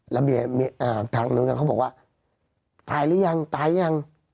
แล้วเบียร์อ่าทางนู้นกันเขาบอกว่าตายหรือยังตายหรือยัง